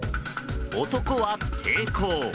男は抵抗。